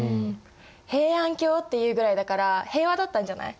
平安京っていうぐらいだから平和だったんじゃない？